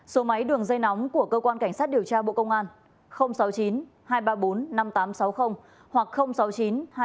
số máy đường dây nóng của cơ quan cảnh sát điều tra bộ công an sáu mươi chín hai trăm ba mươi bốn năm nghìn tám trăm sáu mươi hoặc sáu mươi chín hai trăm ba mươi hai một nghìn sáu trăm